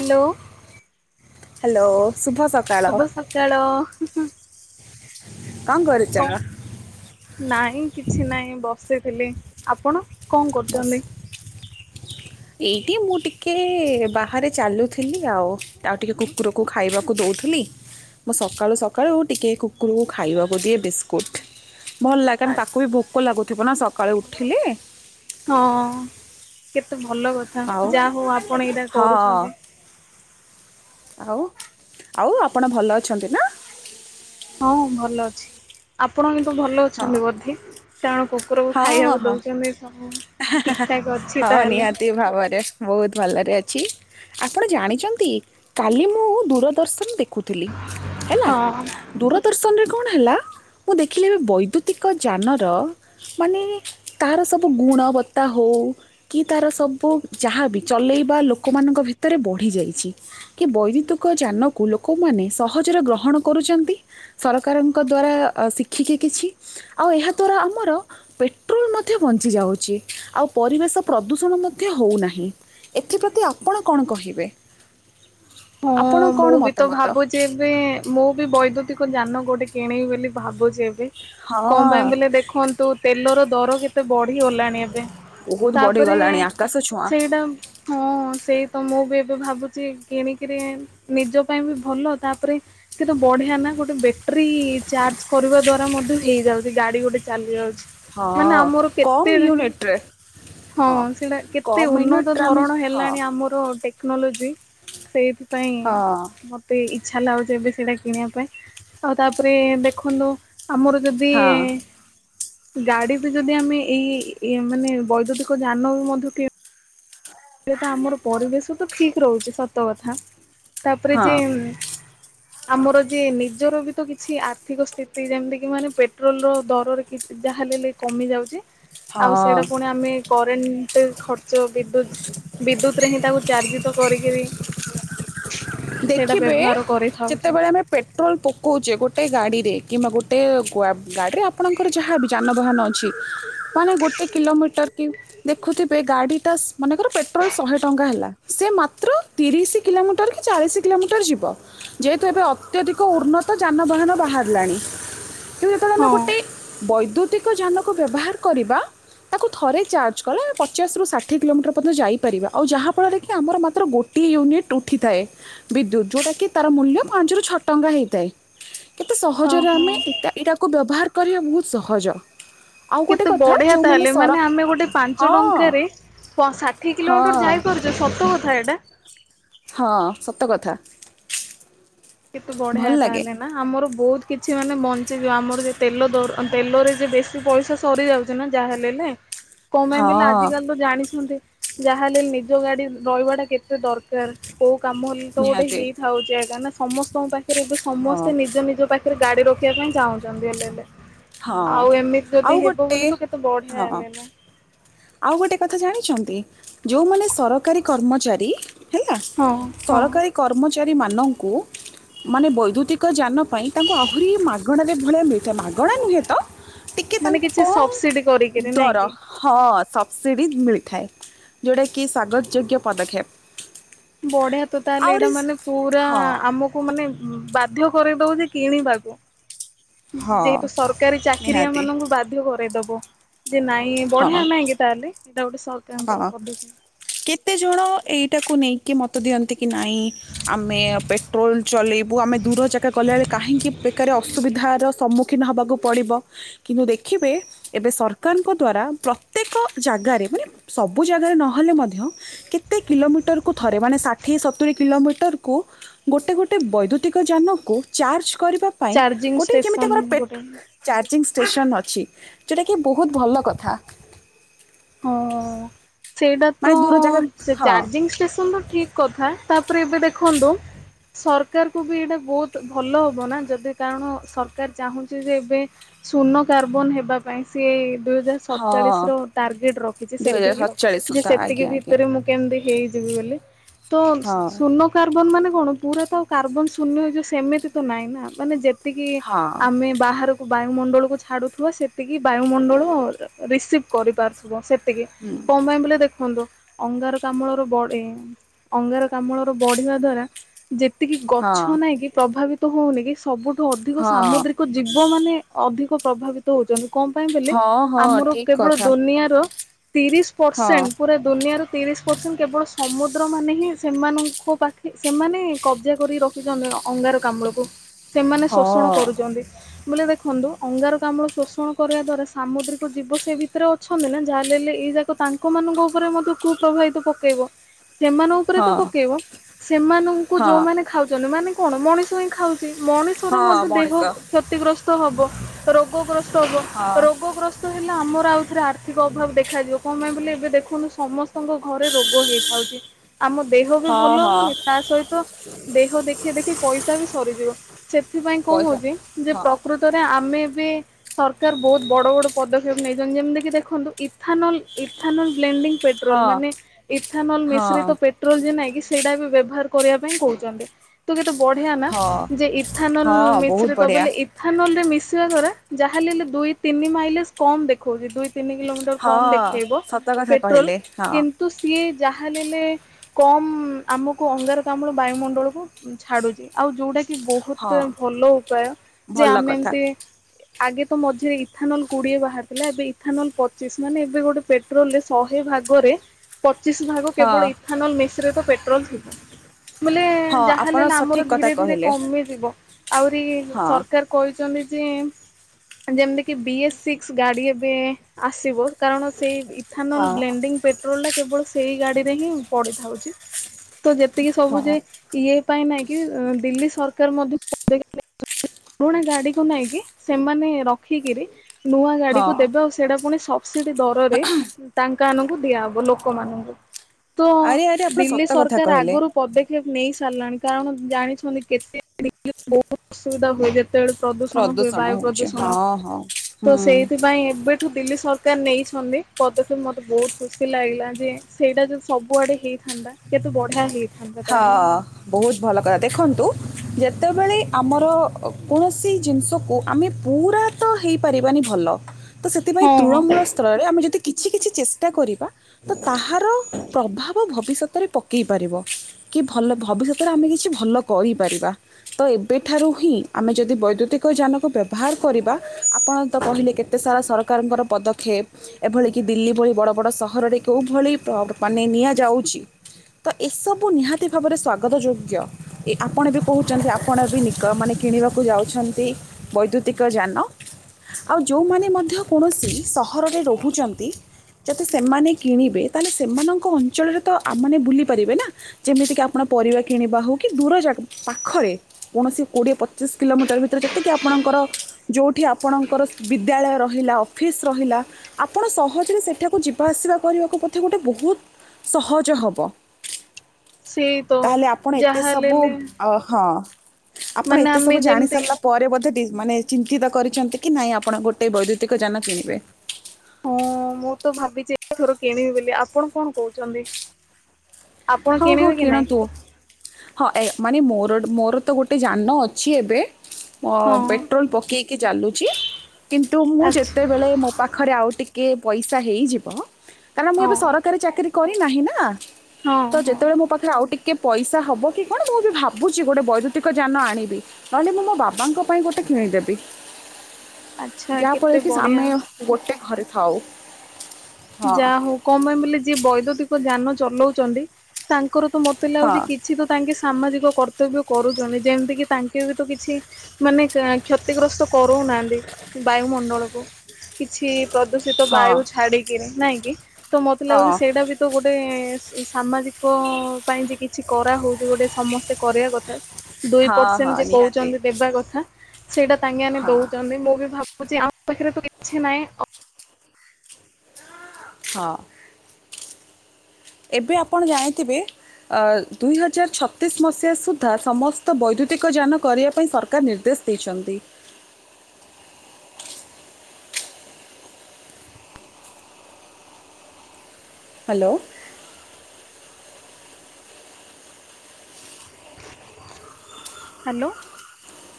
Hello. Hello ଶୁଭ ସ ଶୁଭ ସକାଳ ହୁଁ ହୁଁ। କଣ କରୁଛ? ନାଇଁ କିଛି ନାହିଁ ବସିଥିଲି ଆପଣ କଣ ବସ୍ କରୁଛନ୍ତି? ଏଇଠି ମୁଁ ଟିକେ ବାହାରେ ଚାଲୁଥିଲି ଆଉ ଆଉ ଟିକେ କୁକୁରକୁ ଖାଇବାକୁ ଦଉଥିଲି। ମୁଁ ସକାଳୁ ସକାଳୁ ଟିକେ କୁକୁରକୁ ଖାଇବାକୁ ଦିଏ ବିସ୍ ସ୍କୁଟ୍ ଭଲ ଲାଗେ କାହିଁକି ନା ତାକୁ ବି ଆଚ୍ଛା ଭୋକ ଲାଗୁଥିବ ନା ସକାଳୁ ଉଠିଲେ। ହଁ କେତେ ଭଲ କଥା ଆଉ ଯାହା ହଉ ଆପଣ ଏଇଟା ହଁ କରୁଛନ୍ତି। ଆଉ ଆଉ ଆପଣ ଭଲ ଅଛନ୍ତି ନାଁ? ହଁ ଭଲ ଅଛି। ଆପଣ କିନ୍ତୁ ଭଲ ହଁ ଅଛନ୍ତି ବୋଧେ କାରଣ କୁକୁରକୁ ହଁ ହଁ ଖାଇବାକୁ ହଁ ଦଉଛନ୍ତି ସବୁ। ଠିକ୍ ଠାକ୍ ଅଛି ତାହେଲେ। ସେଇ ଭାବରେ। ମୁଁ ବହୁତ ଭଲରେ ଅଛି। ଆପଣ ଜାଣିଛନ୍ତି କାଲି ମୁଁ ଦୂରଦର୍ଶନ ଦେଖୁଥିଲି ହେଲା ହଁ ହଁ ଦୂରଦର୍ଶନରେ କଣ ହେଲା ମୁଁ ଦେଖିଲି ଏବେ ବୈଦ୍ୟୁତିକ ଯାନର ମାନେ ତାର ସବୁ ଗୁଣବତ୍ତା ହଉ କି ତାର ସବୁ ଯାହାବି ଚଲେଇବା ଲୋକମାନଙ୍କ ଭିତରେ ବଢି ଯାଇଛି। କି ବୈଦ୍ୟୁତିକ ଯାନକୁ ଲୋକମାନେ ସହଜରେ ଗ୍ରହଣ କରୁଛନ୍ତି ସରକାରଙ୍କ ଦ୍ଵାରା ଶିଖିକି କିଛି ଆଉ ଏହା ଦ୍ଵାରା ଆମର ପେଟ୍ରୋଲ ମଧ୍ୟ ବଞ୍ଚି ଯାଉଛି ଆଉ ପରିବେଶ ପ୍ରଦୂଷଣ ମଧ୍ୟ ହଉ ନାହିଁ। ଏଥିପ୍ରତି ଆପଣ କଣ କହିବେ? ହଁ ଆପଣ ମୁଁ କ'ଣ ବି ତ ମତାମତ ଭାବୁଛି ଏବେ ମୁଁ ବି ବୈଦ୍ୟୁତିକ ଯାନ ଗୋଟେ କିଣିବି ବୋଲି ଭାବୁଛି ଏବେ କଣ ହଁ ପାଇଁ ବୋଲେ ଦେଖନ୍ତୁ ତେଲର ଦର କେତେ ବଢିଗଲାଣି ଏବେ। ବହୁତ ତାପରେ ବଢ଼ିଗଲାଣି ଆକାଶ ଛୁଆଁ ସେଇଟା। ହଁ ସେଇ ତ ମୁଁ ବି ଏବେ ଭାବୁଛି କିଣିକିରି ନିଜ ପାଇଁ ବି ଭଲ ତାପରେ କେତେ ବଢିଆ ନା ଗୋଟେ ବେଟ୍ରି ଚାର୍ଜ କରିବା ଦ୍ଵାରା ମଧ୍ୟ ହେଇଯାଉଛି ଗାଡି ଗୋଟେ ଚାଲି ଯାଉଛି। ମାନେ ହଁ ଆମର କେତେ କମ୍ ୟୁନିଟ୍ରେ। ହଁ ସେଇଟା କେତେ କମ୍ ଉନ୍ନତ ୟୁନିଟ୍ରେ ଆମେ ଧରଣ ହଁ ହେଲାଣି ଆମର ଟେକ୍ନୋଲୋଜି। ସେଇଥିପାଇଁ ହଁ ମତେ ଇଛା ଲାଗୁଛି ଏବେ ସେଇଟା କିଣିବା ପାଇଁ ଆଉ ତାପରେ ଦେଖନ୍ତୁ ଆମର ଯଦି ହଁ ଗାଡି ବି ଯଦି ଆମେ ଏଇ ମାନେ ବୈଦ୍ୟୁତିକ ଯାନ ବି ମଧ୍ୟ କି ଏ ତ ଆମର ପରିବେଶ ତ ଠିକ୍ ରହୁଛି ସତ କଥା। ତାପରେ ହଁ ଯେ ଆମର ଯେ ନିଜର ବି ତ କିଛି ଆର୍ଥିକ ସ୍ଥିତି ଯେମିତି କି ମାନେ ପେ ପେଟ୍ରୋଲର ଦରରେ କି ଯାହା ହେଲେ କମିଯାଉଛି ଆଉ ହଁ ସେଇଟା ପୁଣି ଆମେ କରେଣ୍ଟ ଖର୍ଚ୍ଚ ବିଦ୍ୟୁତ୍ ବିଦ୍ୟୁତରେ ହିଁ ତାକୁ ଚାର୍ଜ ତ କରିକିରି। ସେଇଟା ଦେଖିବେ ବ୍ୟବହାର କରିଥାଉଛୁ ଯେତେବେଳେ ଆମେ ପେଟ୍ରୋଲ ପକଉଛେ ଗୋଟେ ଗାଡ଼ିରେ କିମ୍ବା ଗୋଟେ ଗାଡ଼ିରେ ଆପଣଙ୍କର ଯାହା ବି ଯାନବାହାନ ଅଛି। ମାନେ ଗୋଟେ କିଲୋମିଟର କି ଦେଖୁଥିବେ ଗାଡିଟା ମନେଙ୍କର ପେଟ୍ରୋଲ ଶହେ ଟଙ୍କା ହେଲା ସେ ମାତ୍ର ତିରିଶି କିଲୋମିଟର ଚାଳିଶି କିଲୋମିଟର ଯିବ। ଯେହେତୁ ଏବେ ଅତ୍ୟଧିକ ଉନ୍ନତ ଯାନବାହାନ ବାହାରିଲାଣି। ଯେତେବେଳେ ଆମେ ହଁ ଗୋଟେ ବୈଦ୍ୟୁତିକ ଯାନକୁ ବ୍ୟବହାର କରିବା। ତାକୁ ଥରେ ଚାର୍ଜ କଲା ପଚାଶରୁ ଷାଠିଏ କିଲୋମିଟର ପଯ୍ୟନ୍ତ ଯାଇପାରିବା ଆଉ ଯାହାଫଳରେ କି ଆମର ମାତ୍ର ଗୋ ଟିଏ ୟୁନିଟ୍ ଉଠିଥାଏ। ବିଦ୍ୟୁତ୍ ଯୋଉଟା କି ତାର ମୂଲ୍ୟ ପାଞ୍ଚ ରୁ ଛଅ ଟଙ୍କା ହେଇଥାଏ କେତେ ସହଜରେ ଓହୋ ଆମେ ଏଟା ଏଇଟା କୁ ବ୍ୟବହାର କରିବା ବହୁତ୍ ସହଜ। ଆଉ ଗୋଟେ କେତେ କଥା ବଢିଆ ଯେଉଁମାନେ ତାହେଲେ ସର ମାନେ ଆମେ ଗୋଟେ ପାଞ୍ଚ ହଁ ଟଙ୍କାରେ ପ ଷାଠିଏ କିଲୋମିଟର ହଁ ଯାଇପାରୁଚେ ସତ କଥା ଏଇଟା। ହଁ ସତ କଥା। କେତେ ବଢିଆ ଭଲ ଲାଗେ ତାହେଲେ। ନା ଆମର ବହୁତ କିଛି ମାନେ ବଞ୍ଚିଯିବ ଆମର ଯେ ତେଲ ଦର ତେଲରେ ଯେ ବେଶୀ ପଇସା ସରିଯାଉ ଚିନା ଯାହା ହେଲେ ହେଲେ କଣ ପାଇଁ ବଇଲେ ହଁ ଆଜିକାଲି ତ ଜାଣିଛନ୍ତି ଯାହା ହେଲେ ନିଜ ଗାଡି ରହିବା ଟା କେତେ ସେ ଦରକାର୍ କୋଉ କାମ ହେଲେ ତ ଗୋଟେ ନିହାତି ହେଇଥାଉଚି ଏକାନା ସମସ୍ତେ ତୋ ପାଖରେ ଏବେ ହଁ ସମସ୍ତେ ନିଜ ନିଜ ପାଖରେ ଗାଡି ରଖିବା ପାଇଁ ଚାହୁଁଛନ୍ତି ହେଲେ ହେଲେ। ହଁ ଆଉ ଏମିତି ଆଉ ଯଦି ହେବ ଗୋଟେ ବୋଲି ତ କେତେ ବଢିଆ ହଁ ହେଲେ ଲେ। ଆଉ ଗୋଟେ କଥା ଜାଣିଛନ୍ତି। ଯୋଉମାନେ ସରକାରୀ କର୍ମଚାରୀ ହେଲା ହଁ ହଁ ସରକାରୀ କର୍ମଚାରୀମାନଙ୍କୁ। ମାନେ ବୈଦ୍ୟୁତିକ ଯାନ ପାଇଁ ତାଙ୍କୁ ଆହୁରି ମାଗଣାରେ ଭଳିଆ ମିଳିଥାଏ ମାଗଣା ନୁହେଁ ତ ଟିକେ ମାନେ ତାଙ୍କୁ କିଛି ସବସିଡି କମ୍ କରିକିରି ନାଇଁ ଦର। କି? ହଁ ସବସିଡ଼ି ମିଳିଥାଏ ଯଉଟାକି ସାଗଦ ଯୋଗ୍ୟ ପଦକ୍ଷେପ। ବଢିଆ ତ ତାହେଲେ ଏଇଟା ଆହୁରି ମାନେ ପୁରା ହଁ ଆମ କୁ ମାନେ ବାଧ୍ୟ କରେଇଦଉଛି କିଣିବାକୁ। ହଁ ଯେହେତୁ ସରକାରୀ ଚାକିରିଆ ନିହାତି ମାନଙ୍କୁ ବାଧ୍ୟ କରେଇଦବ। ଦେ ନାଇଁ ହଁ ବଢିଆ ନାଇଁ କି ତାହେଲେ ଏଇଟା ଗୋଟେ ସରକାରଙ୍କର ହଁ ପଦକ୍ଷେପ। କେତେ ଜଣ ଏଇଟାକୁ ନେଇକି ମତ ଦିଅନ୍ତି କି ନାଇଁ ଆମେ ଅପ୍ ଟ୍ରୋଲ୍ ଚଲେଇବୁ ଆମେ ଦୂର ଜାଗା ଗଲାବେଳେ କାହିଁକି ବେକାରେ ଅସୁବିଧାର ସମ୍ମୁଖୀନ ହେବାକୁ ପଡ଼ିବ। କିନ୍ତୁ ଦେଖିବେ ଏବେ ସରକାରଙ୍କ ଦ୍ଵାରା ପ୍ରତ୍ୟେକ ଜାଗାରେ ମାନେ ସବୁ ଜାଗାରେ ନହେଲେ ମଧ୍ୟ କେତେ କିଲୋମିଟର କୁ ଥରେ ମାନେ ଷାଠିଏ ସତୁରୀ କିଲୋମିଟର କୁ ଗୋଟେ ଗୋଟେ ବୈଦ୍ୟୁତିକ ଯାନକୁ ଚାର୍ଜ କରିବା ପାଇଁ ଚାର୍ଜିଂ ଗୋଟେ ଯେମିତି ଆମର ଷ୍ଟେସନ ପେଟ୍ ଗୋଟେ ଚାର୍ଜିଂ ଷ୍ଟେସନ ଅଛି ଯୋଉଟା କି ବହୁତ୍ ଭଲ କଥା। ହଁ ସେଇଟା ମାନେ ତ ଦୂର ଜାଗା ହଁ ଚାରିଂ ଜିଙ୍ଗ୍ ଷ୍ଟେସନ୍ ତ ଠିକ୍ କଥା ତାପରେ ଏବେ ଦେଖନ୍ତୁ। ସରକାରକୁୁ ବି ଏଇଟା ବହୁତ ଭଲ ହବ ନା ଯଦି କାରଣ ସରକାର ଚାହୁଁଚି ଯେ ଏବେ ଶୁନୋକାର୍ବନ ହେବା ପାଇଁ ସିଏ ଦୁଇ ହଜାର ହଁ ସତ୍ଚାଳିଶି ର ଟ୍ରାଗେଟ୍ ରଖୁଚି ଦୁଇ ହଜାର ସେତିକି ସତଚାଳିଶ ଯେ ସୁଦ୍ଧା ସେତିକି ଆଜ୍ଞା ଆଜ୍ଞା ଭିତରେ ମୁଁ କେମିତି ହେଇଯିବି ବୋଲି। ତ ଶୁନ୍ ହଁ ଶୁନୋ କାର୍ବନ ମାନେ କଣ ପୁରା ତ କାର୍ବନ ଶ୍ଵନ୍ୟ ହେଇଯିବ ସେମିତି ତ ନାହିଁ ନା ମାନେ ଯେତ୍ ଯେତିକି ହଁ ଆମେ ବାହାରକୁ ବାୟୁମଣ୍ଡଳକୁ ଛାଡୁଥିବା ସେ ସେତିକି ବାୟୁମଣ୍ଡଳ ରିସିଭ୍ କରିପାରୁଥିବ ସେତିକି କଣ ପାଇଁ ବୋଲେ ଦେଖନ୍ତୁ। ଅଙ୍ଗାରକାମ୍ଳ ର ବଡେଇ ଅଙ୍ଗାରକାମ୍ଳ ର ବଢିବା ଦ୍ଵାରା ଯେତିକି ହଁ ଗଛ ନାଇଁ କିି ପ୍ରଭାବିତ ହଉନି କି ସବୁଠୁ ଅଧିକ ହଁ ସାମୁଦ୍ରି କୁ ଯିବ ମାନେ ଅଧିକ ପ୍ରଭାବିତ ହଉଚନ୍ତି। କଣ ପାଇଁ ବୋଲେ ହଁ ହଁ ଆମର ଠିକ କେବଳ କଥା ଡୋନେ ନିଆର ତିରିଶି ହଁ ପରସେଣ୍ଟ ପୁରା ଦୁନିଆର ତିରିଶ ପରସେଣ୍ଟ କେବଳ ସମୁଦ୍ର ମାନେ ହିଁ ସେମାନ ଙ୍କୁ ପାଖେ ସେମାନେ କବ୍ଜା କରି ରଖ୍ ରଖୁଚନ୍ତି ଅଙ୍ଗାରକାମ୍ଳ କୁ ସେମାନେ ଶୋଷଣ ହଁ କରୁଚନ୍ତି। ବୋଲେ ଦେଖନ୍ତୁ ଅଙ୍ଗାରକାମ୍ଳ ଶୋଷଣ କରିବା ଦ୍ଵାରା ସାମୁଦ୍ରିକ ଜୀବ ସ୍ ସେ ଭିତରେ ଅଛନ୍ତି ନା ଯାହା ହେଲେ ଏଲେ ଏଇ ଯାକ ତାଙ୍କ ମାନଙ୍କ ଉପରେ ମଧ୍ୟ କୁ ପ୍ରଭାବିତ ପକେଇବ। ସେମାନଙ୍କ ଉପରେ ତ ହଁ ପକେଇବ ସେମାନଙ୍କୁ ହଁ ଯୋଉମାନେ ଖାଉଚନ୍ତି ମାନେ କଣ ମଣିଷ ହିଁ ଖାଉ ମଣିଷର ହଁ ମଧ୍ୟ ଦେହ ମଣିଷ ଖ୍ୟସ୍ତ କ୍ଷତିଗ୍ରସ୍ତ ହବ, ରୋଗଗ୍ରସ୍ତ ହବ ହଁ ରୋଗଗ୍ରସ୍ତ ହେଲେ ଆମର ଆଉ ଥରେ ଆର୍ଥିକ ଅଭାବ ଦେଖାଯିବ କଣ ପାଇଁ ବୋଲେ ଏବେ ଦେଖନ୍ତୁ ସମସ୍ତଙ୍କ ଘରେ ରୋଗ ହେଇଥାଉଚି। ଆମ ଦେହ ବି ହଁ ଭଲ ହଁ ହବନି ତା ସହିତ ଦେହ ଦେଖେଇ ଦେଖେଇ ପଇସା ବି ସରିଯିବ। ସେଥିପାଇଁ କଣ ପଇସା ହଉଚି ଯେ ହଁ ପ୍ରକୃତରେ ଆମେ ବି ସରକାର ବହୁତ ବଡ ବଡ ପଦ କ୍ଷପ ନେଇଚନ୍ତି। ଯେମତି କି ଦେଖନ୍ତୁ ଇଥାନଲ୍ ଇଥାନଲ୍ ଗେଲ୍ଡିଂ ପେଟ୍ ଟ୍ରୋଲ୍ ହଁ ମାନେ ଇଥାନଲ ହଁ ମିଶ୍ରିତ ପେଟ୍ରୋଲ ଯେ ନାଇଁ କି ସେଇଟା ବି ବ୍ୟବହାର କରିବା ପାଇଁ କହୁଚନ୍ତି। ତ କେତେ ବଢିଆ ନା ହଁ ଯେ ଇଥାନଲ୍ ହଁ ବହୁତ ମିଶ୍ରିତ ବଢିଆ ବୋଲେ ଇଥ୍ ଇଥାନଲ୍ ରେ ମିଶିବା ଦ୍ୱାରା ଯାହା ହେଲେ ଲେ ଦୁଇ ତିନି ମାଇଲେସ୍ କମ୍ ଦେଖଉଚି ଦୁଇ ତିନି କିଲୋମିଟର କମ୍ ହଁ ଦେଖେଇବ ସତ କଥା ପେଟ୍ରୋଲ୍ କହିଲେ ହଁ କିନ୍ତୁ ସିଏ ଯାହା ନେଲେ କମ୍ ଆମକୁ ଅଙ୍ଗାରକାମ୍ଳ ବାୟୁମଣ୍ଡଳକୁ ଛାଡୁଚି। ଆଉ ଯୋଉଟା କି ବହୁତ ହଁ ଭଲ ଉପାୟ ଯେ ଭଲ ଆମେ କଥା ଏମିତି ଆଗେ ତ ମଝିରେ ଇଥାନଲ୍ ଗୁଡିଏ ବାହାର୍ ହେଲା। ଏବେ ଇଥାନଲ୍ ପଚିଶି ମାନେ ଏବେ ଗୋଟେ ପେଟ୍ରୋଲ ରେ ଶହେ ଭାଗରେ ପଚିଶି ଭାଗ ହଁ କେବଳ ଇଥାନଲ୍ ମିଶ୍ରିତ ପେଟ୍ରୋଲ୍ ଥିବ। ମୁଁ ଏଲେ ହଁ ଯାହା ହେଲେ ଆପଣ ଏଲେ ଆମର ସଠିକ କଥା ଧୀରେ ଧୀରେ କହିଲେ କମି ଯିବ। ଆହୁରି ହଁ ସରକାର୍ କହିଚନ୍ତି ଯେ ଯେମିତି କି ବି ଏ ସିସ୍କ୍ ଗାଡି ଏବେ ଆସିବ କାରଣ ସେଇ ହଁ ଇଥାନଲ୍ ବ୍ଲେଣ୍ଡିଙ୍ଗ୍ ପେଟ୍ ଟ୍ରୋଲ ଟା କେବଳ ସେଇ ଗାଡିରେ ହିଁ ପଡିଥାଉଛି ତ ଯେତିକି ହଁ ସବୁ ଯାଇ ଇଏ ପାଇଁ ନାଇଁ କିି ଦିଲ୍ଲୀ ସରକାର ମଧ୍ୟ ପୁରୁଣା ଗାଡିକୁ ନେଇକି ସେମାନେ ରଖିକିରି ନୂଆ ଗାଡିକୁ ହଁ ଦେବେ ଆଉ ସେ। ସେଟା ପୁଣି ସବସିଡି ଦରରେ ତାଙ୍କ ଆନଙ୍କୁ ଦିଆହବ ଲୋକମାନଙ୍କୁ। ତ ଆରେ ଆରେ ଆପଣ ଦିଲ୍ଲୀ ସତ କଥା ସରକାର କହିଲେ ଆଗରୁ। ପଦକ୍ଷେପ ନେଇସାରିଲାଣି। କାରଣ ଜାଣିଛନ୍ତି କେତେ [unintelligible] ବହୁତ ଅସୁବିଧା ହୁଏ। ଯେତେବେଳେ। ପ୍ରଦୂଷଣ ହୁଏ ବାୟୁ ପ୍ରଦୂଷଣ। ଓହୋ। ତ ସେଇଥିପାଇଁ ଏବେଠୁ ଦିଲ୍ଲୀ ସରକାର ନେଇଛନ୍ତି ପଦକ୍ଷେପ ମୋତେ ବହୁତ ଖୁସି ଲାଗିଲା ଯେ। ସେଇଟା ଯ ସବୁଆଡେ ହେଇଥାନ୍ତା କେତେ ବଢିଆ ହେଇଥ ହଁ। ବହୁତ ଭଲ କଥା ଦେଖନ୍ତୁ ଯେତେବେଳେ ଆମର କୌଣସି ଜିନିଷକୁ ଆମେ ପୁରରା। ତ ହେଇପାରିବାନି ଭଲ ତ ସେଥିପାଇଁ ହଁ। ତୃଣମୂଳ ସ୍ଥଳରେ ଆମେ ଯଦି କିଛି କିଛି ଚେଷ୍ଟା କରିବା। ତ ତାହାର ପ୍ରଭାବ ଭବିଷ୍ୟତରେ ପକେଇ ପାରିବ। କି ଭଲ ଭବିଷ୍ୟତରେ ଆମେ କିଛି ଭଲ କରିପାରିବା। ତ ଏବେଠାରୁ ହିଁ ଆମେ ଯଦି ବୈଦ୍ୟୁତିକ ଯାନକୁ ବ୍ୟବହାର କରିବା ଆପଣ ତ କହିଲେ କେତ ତେ ସାରା ସରକାରଙ୍କର ପଦକ୍ଷେପ। ଏଭଳି କି ଦିଲ୍ଲୀ ଭଳି ବଡ ବଡ ସହରରେ କେଉଁ ଭଳି ମାନେ ନିଆଯାଉଛି। ତ ଏସବୁ ନିହାତି ଭାବରେ ସ୍ଵାଗତ ଯୋଗ୍ୟ। ଏ ଆପଣ ବି କହୁଛନ୍ତି ଆପଣ ବି ନିକ ମାନେ କିଣିବାକୁ ଯାଉଛନ୍ତି। ବୈଦ୍ୟୁତିକ ଯାନ। ଆଉ ଯୋଉମାନେ ମଧ୍ୟ କୌଣସି ସହରରେ ରହୁଛନ୍ତି। ଯଦି ସେମାନେ କିଣିବେ ତାହେଲେ ସେମାନଙ୍କ ଅଞ୍ଚଳରେ ତ ଆମେମାନେ ବୁଲି ପାରିବେ ନା। ଯେମିତିକି ଆପଣ ପରିବା କିଣିବା ହେଉ କି ଦୂରଯାଗ ପାଖରେ। କୌଣସି କୋଡ଼ିଏ ପଚିଶ କିଲୋମିଟର ଭିତରେ ଯେତିକି ଆପଣଙ୍କର। ଯୋଉଠି ଆପଣଙ୍କର ବିଦ୍ୟାଳୟ ରହିଲା ଅଫିସ୍ ରହିଲା। ଆପଣ ସହଜରେ ସେଠାକୁ ଯିବା ଆସିବା କରିବାକୁ ବୋଧେ ଗୋଟେ ବହୁତ ସହଜ ହବ। ସେଫ୍। ତାହେଲେ ଆପଣ ଏତେ ସବୁ ଅ ହଁ ଆପଣ ମାନେ ଏତେ ଆମେ ସବୁ ଜାଣି ଯେମିତି ସାରିଲା। ପରେ ବୋଧେ ବି ମାନେ ଚିନ୍ତିତ କରିଛନ୍ତି କି ନାାଇଁ ଆପଣ ଗୋଟେ ବୈଦ୍ୟୁତିକ ଯାନ କିଣିବେ। ହଁ ମୁଁ ତ ଭାବିଛି ଏଥର କିଣିବି ବୋଲି ଆପଣ କଣ କହୁଛନ୍ତି? ଆପଣ ହଁ ହଁ କିଣିବେ କି ନାଇଁ? କିଣନ୍ତୁ। ହଁ ଏ ମାନେ ମୋର ମୋର ତ ଗୋଟେ ଯାନିଲ ଅଛି ଏବେ। ହଁ ପେଟ୍ରୋଲ ପକେଇକି ଚାଲୁଚି କିନ୍ତୁ ମୁଁ ଆଚ୍ଛା ଯେତବେଳେ ମୋ ପାଖ ଖରେ ଆଉ ଟିକେ ପଇସା ହେଇଯିବ କାରଣ ମୁଁ ଏବେ ହଁ ସରକାରୀ ଚାକିରି କରିନାହିଁ ନା। ହଁ ତ ହଁ। ଯେତେବେଳେ ମୋ ପାଖରେ ଆଉ ଟିକେ ପଇସା ହବ କି କଣ ମୁଁ ବି ଭାବୁଛି ଗୋଟେ ବୈଦ୍ୟୁତିକ ଯାନ ଆଣିବି। ନହେଲେ ମୁଁ ମୋ ବାବାଙ୍କ ପାଇଁ ଗୋଟେ କିଣିଦେବି ଆଚ୍ଛା ଯାହାଫଳରେ କେତେ କି ବଢିଆ। ଆମେ। ଗୋଟେ ଘରେ ଥାଉ। ହଁ ଯାହା ହଉ କଣ ପାଇଁ ବୋଲେ ଯିଏ ବୈଦ୍ୟତିକ ଯାନ ଚଲଉଚନ୍ତି ତାଙ୍କର ତ ମୋତେ ହଁ ଲାଗୁଛି କି କିଛି ତ ତାଙ୍କେ ସାମାଜିକ କର୍ତ୍ତବ୍ୟ କରୁଛନ୍ତି ଯେମିତିକି ତାଙ୍କେ ବି ତ କିଛି। ମାନେ କ କ୍ଷତିଗ୍ରସ୍ତ କରଉନାହାନ୍ତି ବାୟୁମଣ୍ଡଳକୁ। କିଛି ପ୍ରଦୂଷିତ ହଁ ବାୟୁ ଛାଡିକିରି ନାଇଁ କିି ତ ମତେ ହଁ ଲାଗୁଛି ସେଇଟା ବି। ତ ଗୋଟେ ସାମାଜିକ ପାଇଁ ଯେ କିଛି କରାହଉଛି ଗୋଟେ ସମସ୍ତେ କରିବା କଥା ତ ଦୁଇ ହଁ ପରସେଣ୍ଟ ହଁ ଯ ନିହାତି କହୁଛନ୍ତି ଦେବା କଥା ସେଇଟା ତାଙ୍କେ ଆମେ ହଁ ଦଉଛନ୍ତି ମୁଁ ବି ଭାବ ବୁଚି ଆମ ପାଖରେ ତ କିଛି ନାଇଁ। ହଁ। ଏବେ ଆପଣ ଜାଣିଥିବେ। ଦୁଇହଜାର ଛତିଶ ମସିହା ସୁଦ୍ଧା ସମସ୍ତ ବୈଦ୍ୟୁତିକ ଯାନ କରିବା ପାଇଁ ସରକାର ନିର୍ଦ୍ଦେଶ। ଦେଇଛନ୍ତି। ହାଲୋ। ହାଲୋ।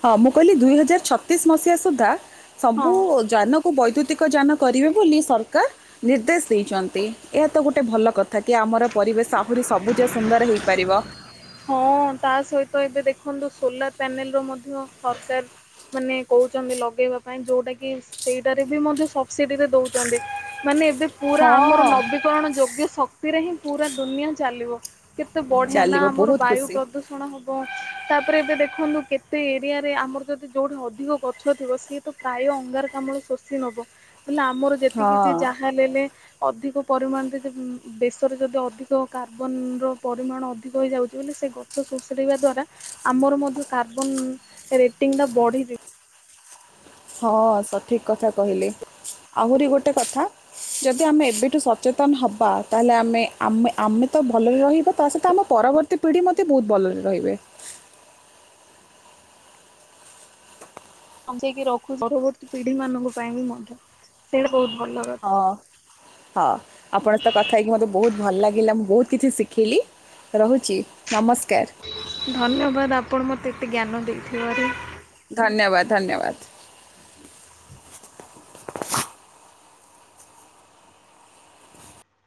ହଁ ମୁଁ କହିଲି ଦୁଇ ହଜାର ଛତିଶ ମସିହା ସୁଦ୍ଧା ହଁ ସବୁ। ଯାନକୁ ବୈଦ୍ୟୁତିକ ଯାନ କରିବେ ବୋଲି ସର। କାର ନିର୍ଦ୍ଦେଶ ଦେଇଛନ୍ତି ଏହା ତ ଗୋଟେ ଭଲ କଥା। ଥାକି ଆମର ପରିବେଶ ଆହୁରି ସବୁଜ ସୁନ୍ଦର ହେଇପାରିବ। ହଁ ତା ସହିତ ଏବେ ଦେଖନ୍ତୁ ସୋଲାର ପ୍ୟାନେଲ ର ମଧ୍ୟ ସରକାର। ମାନେ କହୁଛନ୍ତି ଲଗେଇବା ପାଇଁ ଯୋଉଟା କି। ସେଇଟାରେ ବି ମଧ୍ୟ ସବସିଡି ରେ ଦଉଛନ୍ତି ମାନେ ଏବେ। ପୁରା ଆମର ହଁ ନବୀକରଣ ଯୋଗ୍ୟ ଶକ୍ତିରେ ହିଁ ପୁରା ଦୁନିଆ ଚାଲିବ। କେତେ ବଢିଆ ନା ଚାଲିବ ଆମର ବହୁତ ବାୟୁ ଖୁସି ପ୍ରଦୂଷଣ। କଣ ହବ ତାପରେ ଏବେ ଦେଖନ୍ତୁ କେତେ ଏରିଆରେ ଆମର ଯଦି ଯୋଉଠି ଅଧିକ ଗଛ ଥିବ ସେ। ତ ବାୟୁ ଅଙ୍ଗାର କାମ୍ଳ ଶୋଷି ନବ। ଇଲୋ ଆମର ଯେତିକି ଯେ ହଁ ଯାହା ହେଲେ ଅଧିକ ପରିମାଣରେ ଯେ। ଦେଶରେ ଯଦି ଅଧିକ କାର୍ବନ ର ପରିମାଣ ଅଧିକ ହେଇଯାଉଛି ବୋଲି ସେ। ଗଛ ଶଷୁରିବା ଦ୍ଵାରା ଆମର ମଧ୍ୟ କାର୍ବନ ରେଟିଂ ଟା ବଢିଯିବ। ହଁ ସଠିକ୍ କଥା କହିଲେ ଆହୁରି ଗୋଟେ କଥା। ଯଦି ଆମେ ଏବେଠୁ ସଚେତନ ହବା ତାହେଲେ ଆମେ [inaudible] ଆମ ଆମେ ତ ଭଲରେ ରହିବା ତା ସହିତ ଆମ ପରବର୍ତ୍ତୀ। ମତେ ପିଢ଼ି ମତେ ବହୁତ ଭଲରେ ରହିବେ। ବଞ୍ଚେଇକି ରଖୁଛ ପରବର୍ତ୍ତୀ ପିଢି ମାନଙ୍କ ପାଇଁ ବି ମଧ୍ୟ ସେଇଟା ବହୁତ ଭଲ। କଥା ହଁ- ହଁ ଆପଣ ତ କଥା ହେଇକି ମତେ ବହୁତ ଭଲ ଲାଗିଲା ମୁଁ ବହୁତ କିଛି ଶିଖିଲି। ରହୁଛି ନମସ୍କାର। ଧନ୍ୟବାଦ ଆପଣ ମୋତେ ଏତେ ଜ୍ଞାନ ଦେଇଥିବାରୁ। ଧନ୍ୟବାଦ ଧନ୍ୟବାଦ।